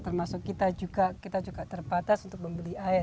termasuk kita juga kita juga terbatas untuk membeli air